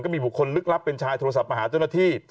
มีบุคคลลึกลับเป็นชายโทรศัพท์มาหาเจ้าหน้าที่